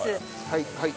はいはい。